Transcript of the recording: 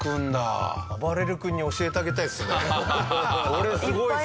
これすごいっすね。